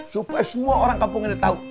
supaya semua orang kampung ini tahu